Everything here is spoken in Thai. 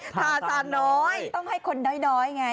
ทาซานน้อยต้องให้คนน้อยไง